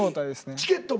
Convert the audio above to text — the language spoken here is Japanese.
チケットも？